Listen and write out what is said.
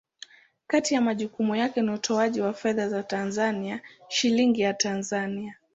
Kati ya majukumu yake ni utoaji wa fedha za Tanzania, Shilingi ya Tanzania.